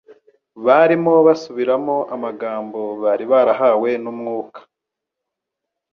barimo basubiramo amagambo bari barahawe n'Umwuka.